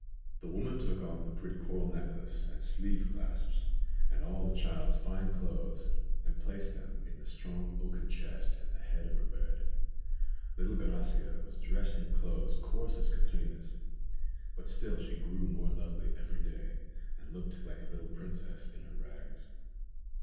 The woman took off the pretty coral necklace and sleeve clasps, and all the child's fine clothes, and placed them in the strong oaken chest at the head of her bed. Little Gracia was dressed in clothes coarse as Catrina's, but still she grew more lovely every day, and looked like a little princess in her rags.